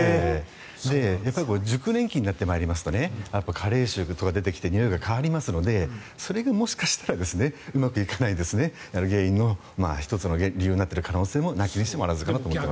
やっぱり熟年期になってまいりますと加齢臭とか出てきてにおいが変わりますのでそれがもしかしたらうまくいかない原因の１つの理由になっている可能性もなきにしもあらずかなと思います。